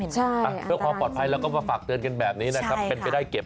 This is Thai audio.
เพื่อความปลอดภัยแล้วก็ฝากเถิดกันแบบนี้เป็นไปได้เก็บ